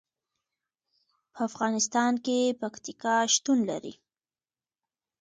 په افغانستان کې پکتیکا شتون لري.